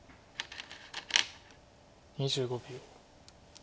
２５秒。